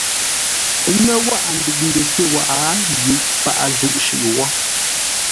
Ə́ ŋə́ wághʼə ndʉʉ ndesé waghʼə yʉʼ paghʼə zúʼ shʉʼʉ wó.